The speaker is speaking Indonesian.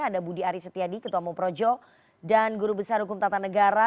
ada budi aris setiadi ketua umum projo dan guru besar hukum tata negara